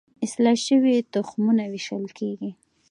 اصلاح شوي تخمونه ویشل کیږي.